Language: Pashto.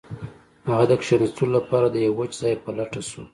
هغه د کښیناستلو لپاره د یو وچ ځای په لټه شو